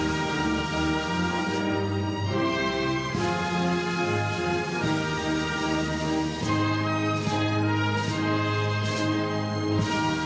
สวัสดีครับสวัสดีครับสวัสดีครับ